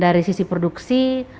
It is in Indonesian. dari sisi produksi